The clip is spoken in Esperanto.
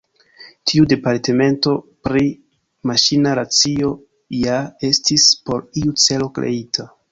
Tiu departemento pri Maŝina Racio ja estis por iu celo kreita.